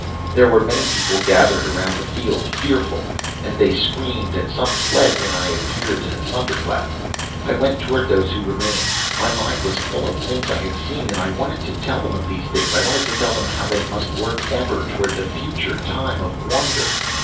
"There were many people gathered around the field, fearful, and they screamed and some fled when I appeared in the thunderclap. I went toward those who remained. My mind was full of things I had seen and I wanted to tell them of these things. I wanted to tell them how they must work ever toward that future time of wonder.